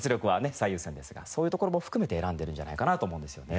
最優先ですがそういうところも含めて選んでるんじゃないかなと思うんですよね。